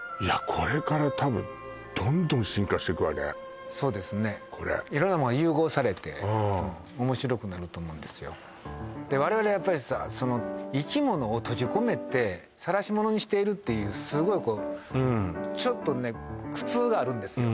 これから多分そうですね色んなもんが融合されておもしろくなると思うんですよで我々やっぱり生き物を閉じ込めてさらしものにしているっていうすごいこうちょっとね苦痛があるんですよ